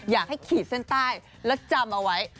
อยากให้ขีดเส้นใต้และจำเอาไว้